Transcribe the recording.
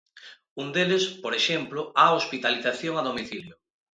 Un deles, por exemplo, a hospitalización a domicilio.